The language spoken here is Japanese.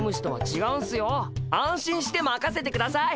安心してまかせてください。